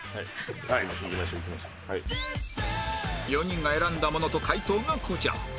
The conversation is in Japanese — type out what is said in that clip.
４人が選んだものと解答がこちら